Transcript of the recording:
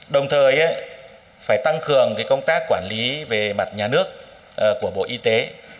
đồng thời phải tăng cường công tác quản lý về mặt nhà nước của bộ y tế